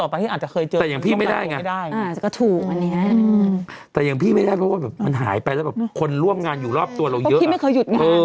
ไปไหนนะทำอะไรอะไรเลย